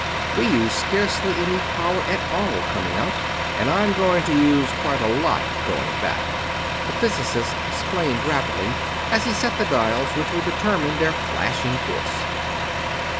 We used scarcely any power at all coming out, and I'm going to use quite a lot going back," the physicist explained rapidly, as he set the dials which would determine their flashing course.